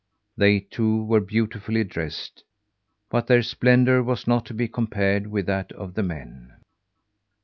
They, too, were beautifully dressed, but their splendour was not to be compared with that of the men.